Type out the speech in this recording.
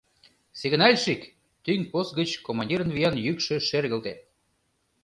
— Сигнальщик! — тӱҥ пост гыч командирын виян йӱкшӧ шергылте.